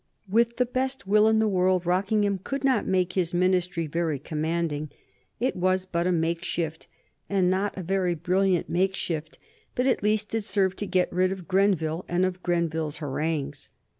With the best will in the world Rockingham could not make his Ministry very commanding. It was but a makeshift, and not a very brilliant makeshift, but at least it served to get rid of Grenville and of Grenville's harangues.